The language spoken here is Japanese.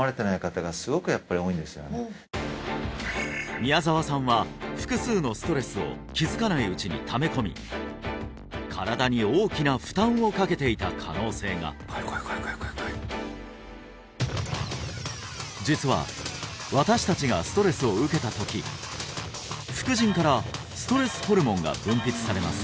宮沢さんは複数のストレスを気づかないうちにため込み身体に大きな負担をかけていた可能性が実は私達がストレスを受けた時副腎からストレスホルモンが分泌されます